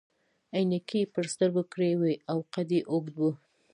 عینکې يې پر سترګو کړي وي او قد يې اوږد وو.